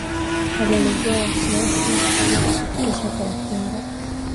Alielezea wasiwasi wake kuhusu kuteswa kwa wafungwa